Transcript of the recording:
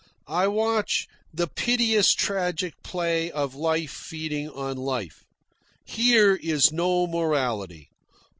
I watch the piteous tragic play of life feeding on life. Here is no morality.